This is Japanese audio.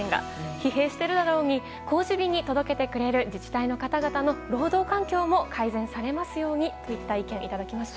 疲弊しているだろうに公示日に届けてくれる自治体の方々の労働環境も改善されますようにといった意見いただきました。